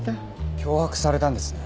脅迫されたんですね。